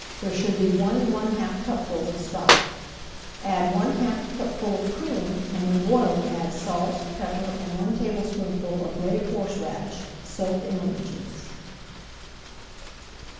There should be one and one half cupfuls of stock. Add one half [Page 186] cupful of cream, and when boiling add salt, pepper, and one tablespoonful of grated horseradish soaked in lemon juice.